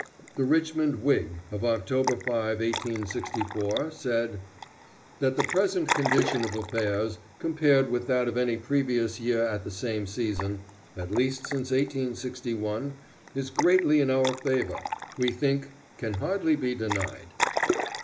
The Richmond Whig of October 5, 1864, said: "That the present condition of affairs, compared with that of any previous year at the same season, at least since 1861, is greatly in our favor, we think can hardly be denied."